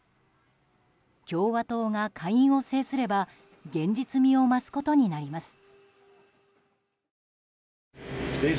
共和党が下院を制すれば現実味を増すことになります。